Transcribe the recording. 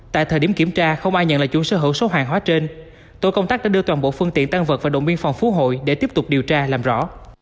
tại thời điểm kiểm tra không ai nhận là chủ sở hữu số hàng hóa trên tổ công tác đã đưa toàn bộ phương tiện tăng vật vào động biên phòng phú hội để tiếp tục điều tra làm rõ